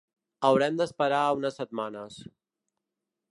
Haurem d’esperar unes setmanes.